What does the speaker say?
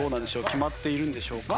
決まっているんでしょうか？